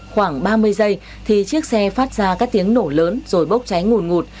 khoảng ba mươi giây thì chiếc xe phát ra các tiếng nổ lớn rồi bốc cháy ngùn ngụt